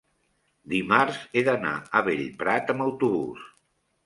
dimarts he d'anar a Bellprat amb autobús.